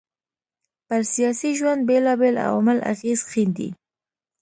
پر سياسي ژوند بېلابېل عوامل اغېز ښېندي